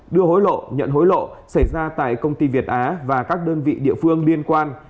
đưa hối lộ nhận hối lộ xảy ra tại công ty việt á và các đơn vị địa phương liên quan